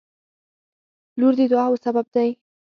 • لور د دعاوو سبب وي.